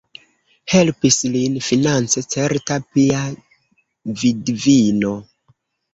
Helpis lin finance certa pia vidvino.